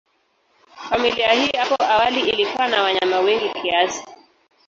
Familia hii hapo awali ilikuwa na wanyama wengi kiasi.